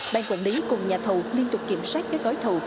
ban quản lý cùng nhà thầu liên tục kiểm soát các gói thầu